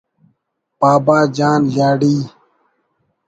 بابا جان لہڑی